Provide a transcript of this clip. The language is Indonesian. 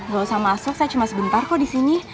gak usah masuk saya cuma sebentar kok disini